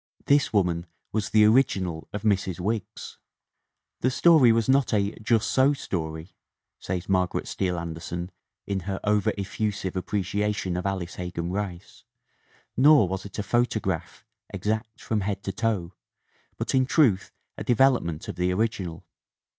This woman was the original of Mrs. Wiggs. "The story was not a 'just so story,' " says Margaret Steele Anderson in her over effusive appre ciation of Alice Hegan Rice, "nor was it a photo graph, exact from head to toe, but, in truth, a devel opment of the original.